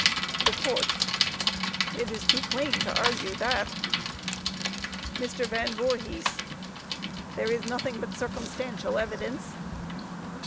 THE COURT: It is too plain to argue that. MR. VAN VOORHIS: There is nothing but circumstantial evidence.